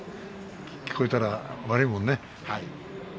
聞こえたら悪いもんね。